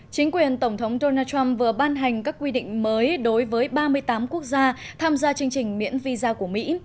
chính quyền tổng thống donald trump vừa ban hành các quy định mới đối với ba mươi tám quốc gia tham gia chương trình miễn visa của mỹ